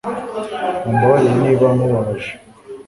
Mumbabarire niba nkubabaje